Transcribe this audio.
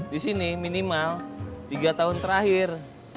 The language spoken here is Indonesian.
disini minimal tiga tahun terakhir